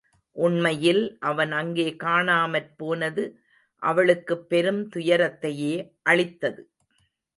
உண்மையில் அவன் அங்கே காணாமற்போனது அவளுக்குப் பெருந் துயரத்தையே அளித்தது.